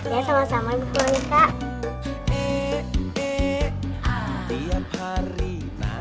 ya sama sama ibu plamika